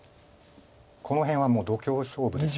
この辺はもう度胸勝負です。